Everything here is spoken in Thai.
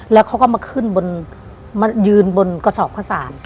แล้วเขาก็มาขึ้นมายืนบนกระสอบข้าวสาร